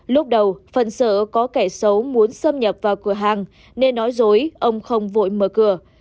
lúc đầu phần sợ có kẻ xấu muốn xâm nhập vào cửa hàng nên nói dối ông không vội mở cửa